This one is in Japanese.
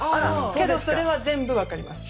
けどそれは全部分かります。